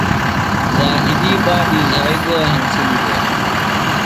ذاہدی بابی زھائی گو ہنسِلیۡ دےۡ؟